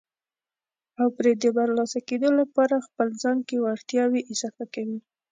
او پرې د برلاسه کېدو لپاره خپل ځان کې وړتیاوې اضافه کوي.